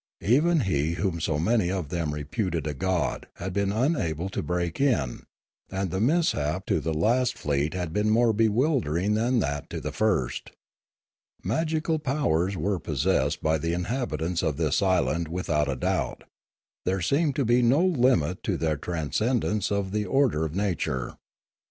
Even he whom so many of them reputed a god had been unable to break in; and the mishap to. the last fleet had been more bewildering than that to the first. Magical powers were possessed by the inhabitants of this island without a doubt; there seemed to be no limit to their transcendence of the order of nature.